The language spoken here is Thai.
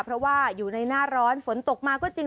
เพราะว่าอยู่ในหน้าร้อนฝนตกมาก็จริง